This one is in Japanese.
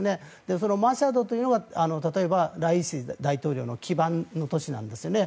マシャドというのが例えば、ライシ大統領の基盤の都市なんですよね。